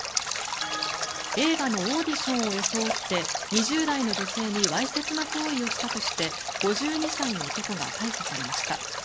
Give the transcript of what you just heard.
映画のオーディションを装って２０代の女性にわいせつな行為をしたとして５２歳の男が逮捕されました。